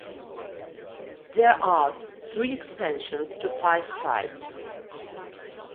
There are three expansions to Five Tribes.